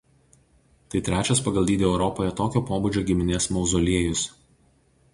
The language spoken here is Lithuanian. Tai trečias pagal dydį Europoje tokio pobūdžio giminės mauzoliejus.